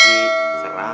nggak ada apa apa